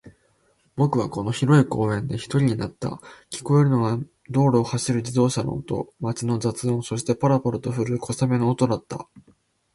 僕はこの広い公園で一人になった。聞こえるのは道路を走る自動車の音、街の雑音、そして、パラパラと降る小雨の音だった。